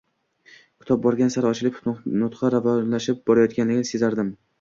kitob borgan sari “ochilib”, nutqi ravonlashib borayotganini sezardim.